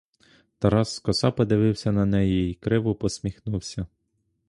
Тарас скоса подивився на неї й криво посміхнувся.